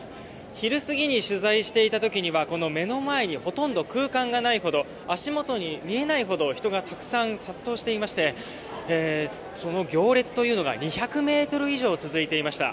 昼過ぎに取材していた時にはこの目の前にほとんど空間がないほど足元が見えないほど人がたくさん殺到していましてその行列が２００ｍ以上続いていました。